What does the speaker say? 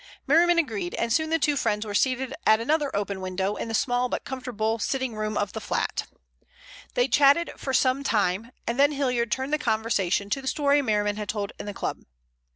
Merriman agreed, and soon the two friends were seated at another open window in the small but comfortable sitting room of the flat. They chatted for some time, and then Hilliard turned the conversation to the story Merriman had told in the club.